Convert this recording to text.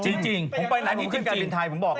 จริงผมไปหน้านี้ที่กาลินไทยผมบอกเลย